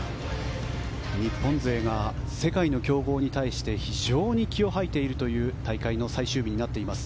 日本勢が世界の強豪に対して非常に気を吐いているという大会の最終日となっています。